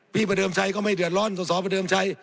พี่พระเดิมชัยก็ไม่เดือดร้อนส่วนสองพระเดิมชัย